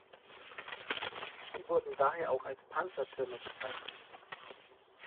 Sie wurden daher auch als "Panzertürme" bezeichnet.